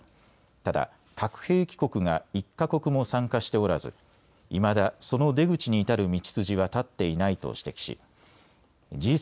ただ核兵器国が１か国も参加しておらずいまだその出口に至る道筋は立っていないと指摘しＧ７